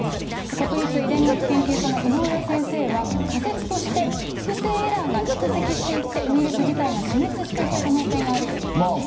国立遺伝学研究所の井ノ上先生は、仮説として、複製エラーが蓄積していって、ウイルス自体が死滅していった可能性があるということです。